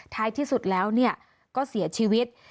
ท้ายที่สุดแล้วก็เสียชีวิต